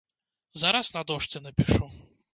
Зараз на дошцы напішу!